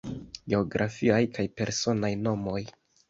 Geografiaj kaj personaj nomoj.